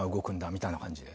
みたいな感じで。